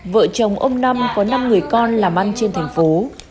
vợ chồng ông năm có năm người con làm ăn trên thành phố